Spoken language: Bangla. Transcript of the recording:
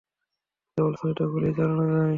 কেবল ছয়টা গুলিই চালানো যায়।